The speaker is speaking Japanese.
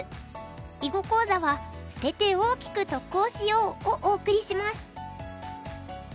囲碁講座は「捨てて大きく得をしよう」をお送りします。